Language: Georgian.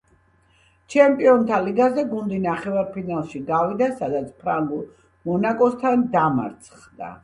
ჩემპიონთა ლიგაზე გუნდი ნახევარფინალში გავიდა, სადაც ფრანგულ „მონაკოსთან“ დამარცხდა.